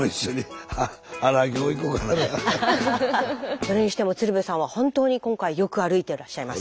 それにしても鶴瓶さんは本当に今回よく歩いていらっしゃいます。